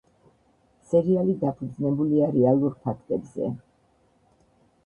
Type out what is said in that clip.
სერიალი დაფუძნებულია რეალურ ფაქტებზე.